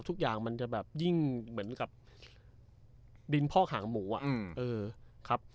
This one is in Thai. ทุกอย่างมันจะแบบยิ่งเหมือนกับดินพ่อขางหมูอะ